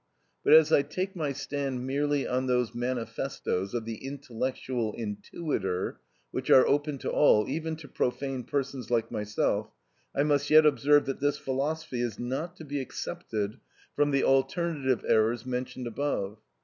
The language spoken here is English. But as I take my stand merely on those manifestoes of the "intellectual intuiter" which are open to all, even to profane persons like myself, I must yet observe that this philosophy is not to be excepted from the alternative errors mentioned above.